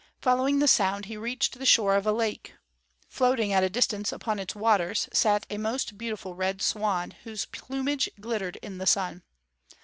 Following the sound, he reached the shore of a lake. Floating at a distance upon its waters sat a most beautiful Red Swan, whose plumage glittered in the sun.